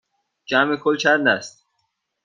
جمع کل چند است؟